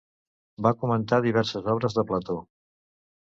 Va comentar diverses obres de Plató.